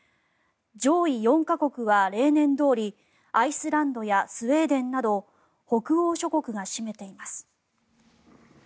上位４か国は例年どおりアイスランドやスウェーデンなど北欧諸国が占めています。